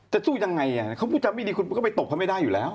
สู้ยังไงเขาพูดจำไม่ดีคุณก็ไปตบเขาไม่ได้อยู่แล้ว